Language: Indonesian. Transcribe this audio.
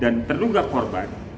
dan terduga korban